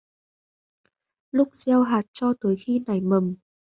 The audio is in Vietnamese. Lúc gieo hạt cho tới lúc khi nảy mầm